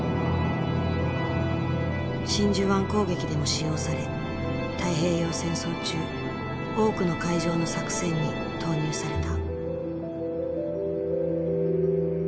真珠湾攻撃でも使用され太平洋戦争中多くの海上の作戦に投入された。